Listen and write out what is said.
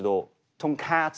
とんかつ。